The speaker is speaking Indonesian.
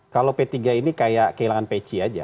kalau p tiga ini kayak kehilangan peci aja